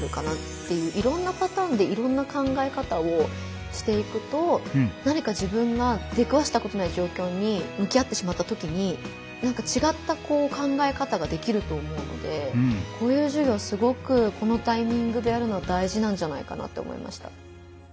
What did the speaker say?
いろんな考え方をしていくと何か自分が出くわしたことのない状況にむき合ってしまったときに何か違った考え方ができると思うのでこういう授業すごくこのタイミングでやるの大事なんじゃないかなって思いました。